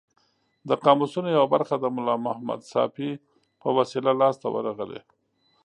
د قاموسونو یوه برخه د ملا محمد ساپي په وسیله لاس ته ورغلې.